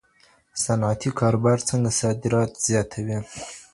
صنعتي کاروبار څنګه صادرات زیاتوي؟